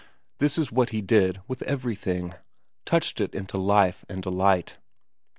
That is what he did 4 VERA i with everything, touched it into life and delight.